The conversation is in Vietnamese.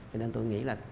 cho nên tôi nghĩ là